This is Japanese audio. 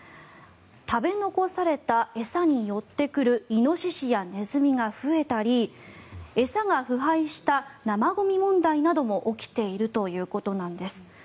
食べ残された餌に寄ってくるイノシシやネズミが増えたり餌が腐敗した生ゴミ問題なども起きているということなんです。